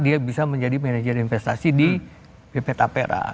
dia bisa menjadi manajer investasi di petapera